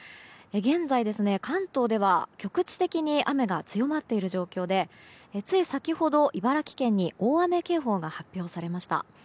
現在、関東では局地的に雨が強まっている状況でつい先ほど、茨城県に大雨警報が発表されました。